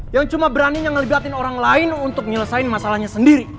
yang cuma beraninya ngelibatin orang lain untuk menyelesaikan masalahnya sendiri